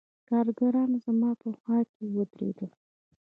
کارګران زما په خوا کښې ودرېدل.